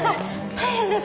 大変です！